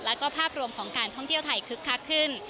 แล้วก็ภาพรวมของการท่องเที่ยวไทยคึกคักขึ้น